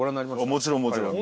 もちろんもちろん。